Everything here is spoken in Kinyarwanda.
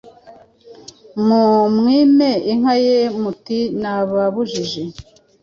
mumwime inka ye muti nababujije